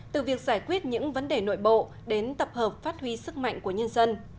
từ việc giải quyết những vấn đề nội bộ đến tập hợp phát huy sức mạnh của nhân dân